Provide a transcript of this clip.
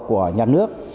của nhà nước